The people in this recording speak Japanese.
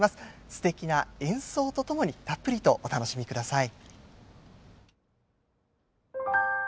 すてきな演奏とともにたっぷりとお楽しみください。